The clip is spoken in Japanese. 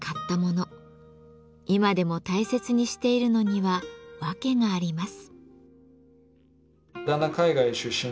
今でも大切にしているのには訳があります。